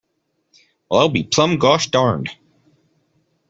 Well, I'll be plumb gosh darned.